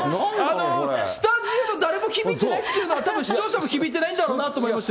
スタジオの誰も響いてないというのは、たぶん視聴者も響いてないんだろうなって思いましたよ